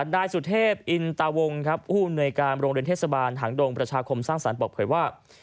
นายสุทธิบอินตาวงค์ผู้หน่วยการโรงเรียนเทศบาลหังดงประชาคมสร้างสารบอกเผยว่า